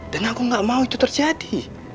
dan aku gak mau itu terjadi